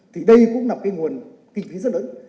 thì đây cũng là cái nguồn kinh phí rất lớn